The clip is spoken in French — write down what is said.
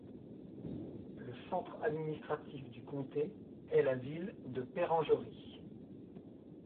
Le centre administratif du comté est la ville de Perenjori.